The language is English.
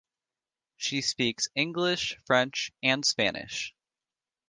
She speaks English, French and Spanish.